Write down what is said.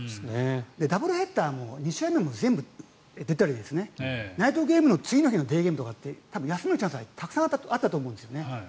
ダブルヘッダーも２試合目も全部出たりナイトゲームの次の日のデーゲームとか休むチャンス、たくさんあったと思うんですよね。